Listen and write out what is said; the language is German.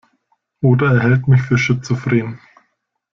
Oder er hält mich für schizophren.